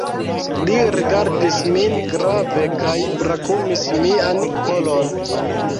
Li rigardis min grave kaj brakumis mian kolon.